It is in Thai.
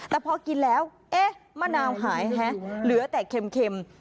แต่พอกินแล้วมะนาวหายเหลือแต่เข็ม